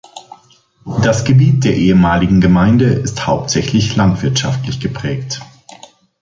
Das Gebiet der ehemaligen Gemeinde ist hauptsächlich landwirtschaftlich geprägt.